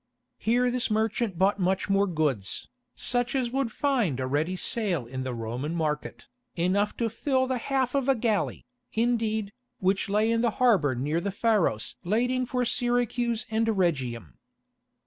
Here this merchant bought much more goods, such as would find a ready sale in the Roman market, enough to fill the half of a galley, indeed, which lay in the harbour near the Pharos lading for Syracuse and Rhegium.